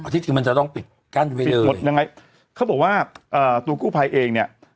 อ๋อที่จึงมันจะต้องปิดกั้นไปเลยปิดหมดยังไงเขาบอกว่าตัวกู้ภัยเองเนี่ย